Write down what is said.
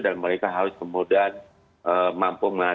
dan mereka harus kemudian mampu mengatasi